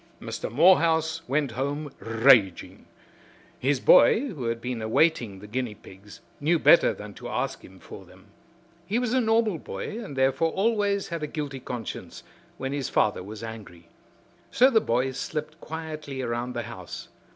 Mr. Morehouse went home raging. His boy, who had been awaiting the guinea pigs, knew better than to ask him for them. He was a normal boy and therefore always had a guilty conscience when his father was angry. So the boy slipped quietly around the house.